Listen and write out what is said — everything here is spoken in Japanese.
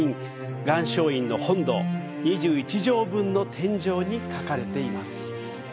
岩松院の本堂、２１畳分の天井に描かれています。